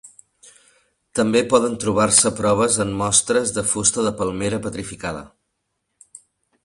També poden trobar-se proves en mostres de fusta de palmera petrificada.